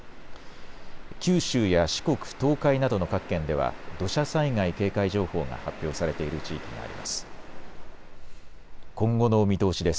九州や四国、東海などの各県では土砂災害警戒情報が発表されている地域があります。